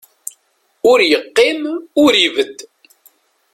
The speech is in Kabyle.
Ur yeqqim, ur ibedd.